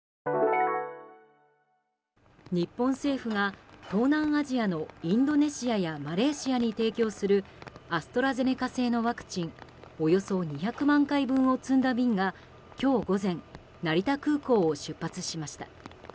日本政府が東南アジアのインドネシアやマレーシアに提供するアストラゼネカ製のワクチンおよそ２００万回分を積んだ便が今日午前成田空港を出発しました。